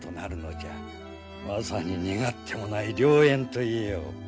まさに願ってもない良縁と言えよう。